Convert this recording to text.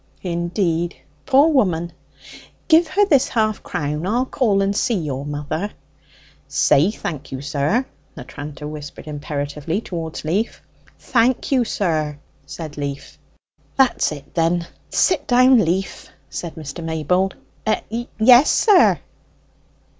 "Indeed! poor woman. Give her this half crown. I'll call and see your mother." "Say, 'Thank you, sir,'" the tranter whispered imperatively towards Leaf. "Thank you, sir!" said Leaf. "That's it, then; sit down, Leaf," said Mr. Maybold. "Y yes, sir!"